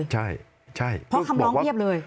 เพราะคำล้องเยี่ยมเลย